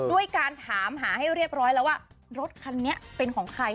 ด้วยการถามหาให้เรียบร้อยแล้วว่ารถคันนี้เป็นของใคร